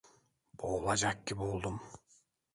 Boğulacak gibi oldum!